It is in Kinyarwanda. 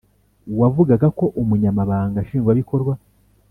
wavugaga ko Umunyamabanga Nshingwabikorwa